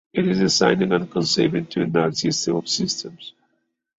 It is designed and conceived to enact system of systems.